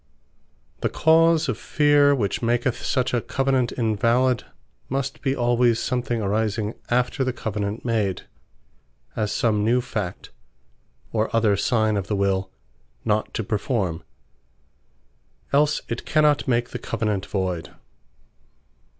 The cause of Feare, which maketh such a Covenant invalid, must be alwayes something arising after the Covenant made; as some new fact, or other signe of the Will not to performe; else it cannot make the Covenant Voyd.